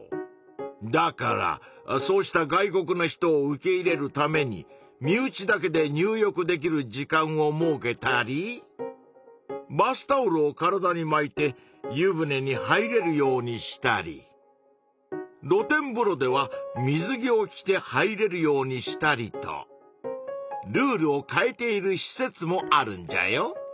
だからそうした外国の人を受け入れるために身内だけで入浴できる時間を設けたりバスタオルを体にまいて湯船に入れるようにしたりろ天ぶろでは水着を着て入れるようにしたりとルールを変えているし設もあるんじゃよ。